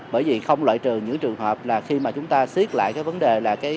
bởi vì không loại trừ những trường hợp là khi mà chúng ta xiết lại cái vấn đề là